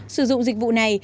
sử dụng dịch vụ này